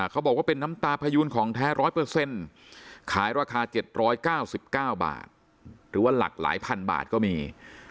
เขาบอกว่าเป็นน้ำตาพยูนของแท้๑๐๐ขายราคา๗๙๙บาทหรือว่าหลากหลายพันบาทก็มี